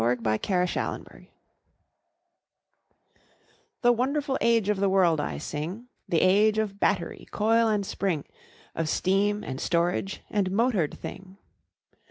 THE AGE OF MOTORED THINGS The wonderful age of the world I sing— The age of battery, coil and spring, Of steam, and storage, and motored thing.